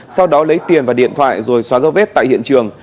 sau đó lấy tiền và điện thoại rồi xóa dấu vết tại hiện trường